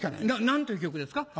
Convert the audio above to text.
何という曲ですか？